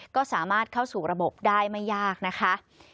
ก็สามารถเข้าสู่ระบบได้ไม่ยากนะคะ